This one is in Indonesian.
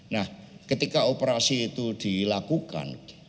nah ketika operasi itu dilakukan